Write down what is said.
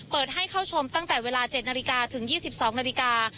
เปิดให้เข้าชมตั้งแต่เวลา๗นาฬิกาถึง๒๒นาฬิกา